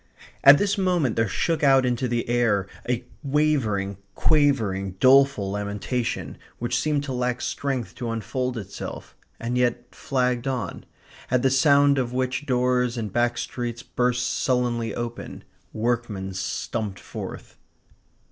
At this moment there shook out into the air a wavering, quavering, doleful lamentation which seemed to lack strength to unfold itself, and yet flagged on; at the sound of which doors in back streets burst sullenly open; workmen stumped forth.